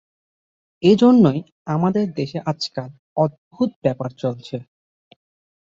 এইজন্যেই আমাদের দেশে আজকাল অদ্ভুত ব্যাপার চলছে।